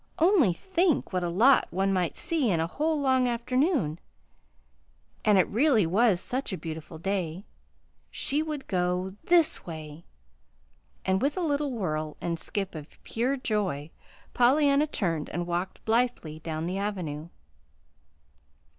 Only think what a lot one might see in a whole long afternoon! And it really was such a beautiful day. She would go this way! And with a little whirl and skip of pure joy, Pollyanna turned and walked blithely down the Avenue.